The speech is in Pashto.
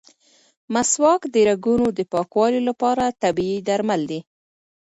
مسواک د رګونو د پاکوالي لپاره طبیعي درمل دي.